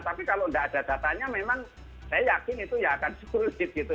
tapi kalau tidak ada datanya memang saya yakin itu ya akan sulit gitu